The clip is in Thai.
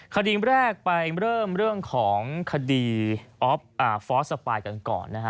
คดีแรกไปเริ่มเรื่องของคดีฟอสสปายกันก่อนนะฮะ